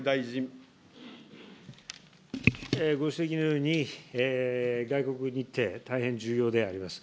ご指摘のように、外交日程、大変重要であります。